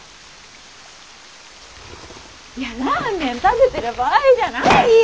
いやラーメン食べてる場合じゃないよ！